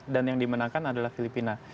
dan yang dimenangkan adalah filipina